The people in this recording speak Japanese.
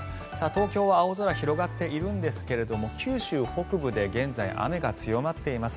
東京は青空、広がっているんですが九州北部で現在、雨が強まっています。